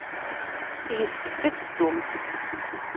Yessefk ad teddumt.